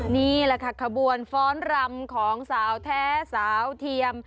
นี่แหละค่ะขบวนฟ้อนรำของสาวแท้สาวเทียม